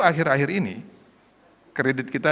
akhir akhir ini kredit kita